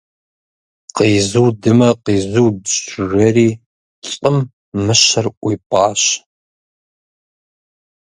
Къизудмэ, къизудщ, - жери лӏым мыщэр ӏуипӏащ.